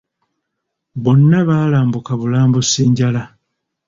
Bonna baalambuka bulambusi njala.